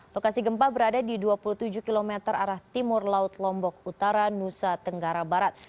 lokasi gempa berada di dua puluh tujuh km arah timur laut lombok utara nusa tenggara barat